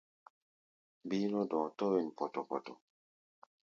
Bíí nɔ́ dɔ̧ɔ̧, tɔ̧́ wen pɔtɔ-pɔtɔ.